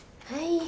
はい。